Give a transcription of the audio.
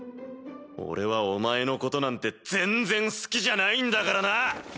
俺はお前のことなんて全然好きじゃないんだからな！